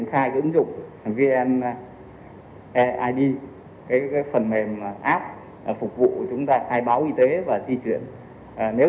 các dữ liệu về tiêm ngừa vaccine